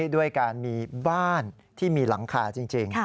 ด้วยการมีบ้านที่มีหลังคาจริง